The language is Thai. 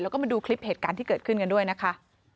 แล้วก็มาดูคลิปเหตุการณ์ที่เกิดขึ้นกันด้วยนะคะ